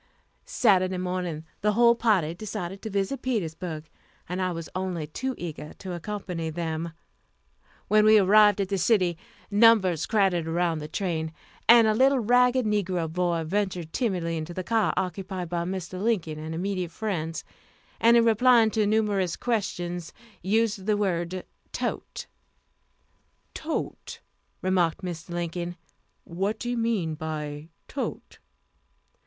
Saturday morning the whole party decided to visit Petersburg, and I was only too eager to accompany them. When we arrived at the city, numbers crowded around the train, and a little ragged negro boy ventured timidly into the car occupied by Mr. Lincoln and immediate friends, and in replying to numerous questions, used the word "tote." "Tote," remarked Mr. Lincoln; "what do you mean by tote?"